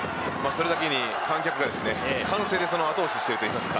それだけに、観客が歓声で後押しをしています。